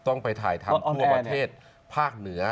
ต้องไปถ่ายทำทั่วประเทศภาคเหนือ